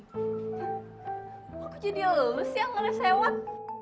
aku jadi leluhur sih yang ngelesewet